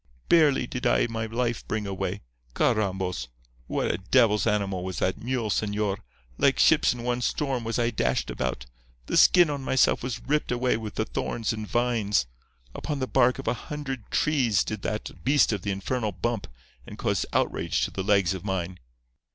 Barely did I my life bring away. Carrambos! what a devil's animal was that mule, señor! Like ships in one storm was I dashed about. The skin on myself was ripped away with the thorns and vines. Upon the bark of a hundred trees did that beast of the infernal bump, and cause outrage to the legs of mine.